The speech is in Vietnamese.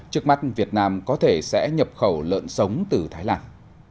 trước mắt việt nam có thể sẽ nhập khẩu lợn sống từ thái lan